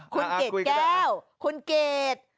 คุณเกดแก้วคุณเกด